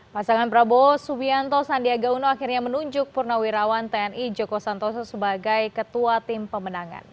pasangan prabowo subianto sandiaga uno akhirnya menunjuk purnawirawan tni joko santoso sebagai ketua tim pemenangan